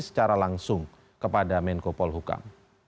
secara langsung kepada menko polhukam